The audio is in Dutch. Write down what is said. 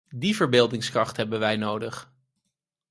Die verbeeldingskracht hebben wij nodig.